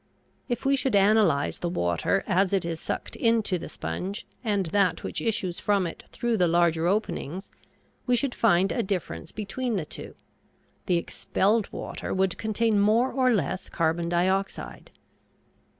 If we should analyze the water as it is sucked into the sponge and that which issues from it through the larger openings, we should find a difference between the two. The expelled water would contain more or less carbon dioxide.